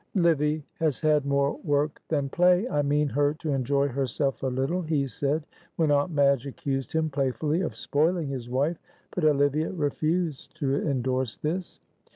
"Livy has had more work than play. I mean her to enjoy herself a little," he said when Aunt Madge accused him playfully of spoiling his wife, but Olivia refused to endorse this.